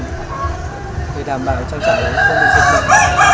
để đảm bảo trang trại không bị dịch bệnh